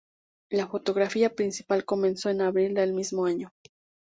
La fotografía principal comenzó en abril del mismo año.